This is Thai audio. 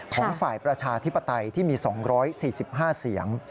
ของฝ่ายประชาธิปไตยที่มี๒๔๕เสียง